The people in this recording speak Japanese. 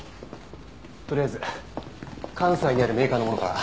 とりあえず関西にあるメーカーのものから。